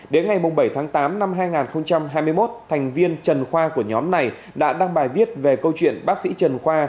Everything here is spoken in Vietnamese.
đến ngày bảy tháng tám năm hai nghìn hai mươi một thành viên trần khoa của nhóm này đã đăng bài viết về câu chuyện bác sĩ trần khoa